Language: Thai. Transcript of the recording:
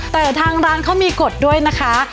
แต่ทางร้านเขามีกฎด้วยนะคะ